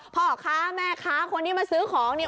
พ่อค้าแม่ค้าคนที่มาซื้อของเนี่ย